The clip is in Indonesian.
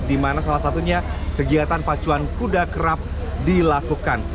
di mana salah satunya kegiatan pacuan kuda kerap dilakukan